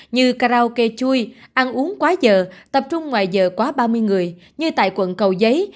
như karaoke chui ăn uống quá giờ tập trung ngoài giờ quá ba mươi người như tại quận cầu giấy